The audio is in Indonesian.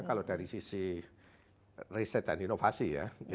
kalau dari sisi riset dan inovasi ya